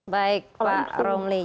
baik pak romli